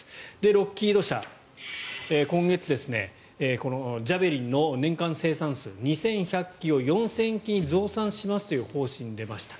ロッキード社、今月このジャベリンの年間生産数２１００基を４０００基に増産しますという方針に出ました。